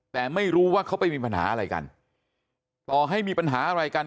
แต่ไม่รู้ว่าเขาไปมีปัญหาอะไรกันต่อให้มีปัญหาอะไรกัน